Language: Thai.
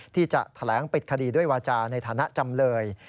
ที่จะแถลงปิดคดีด้วยวาจาในฐานะจำเลย